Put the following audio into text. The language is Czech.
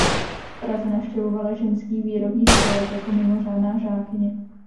V Praze navštěvovala "Ženský výrobní spolek" jako mimořádná žákyně.